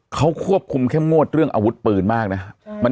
เขาควบคุมเข้มงวดเรื่องอาวุธปืนมากนะ